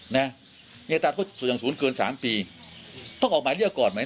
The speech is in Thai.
เนื้อตราโทษสูงอย่างสูงเกินสามปีต้องออกหมายเรียกก่อนไหม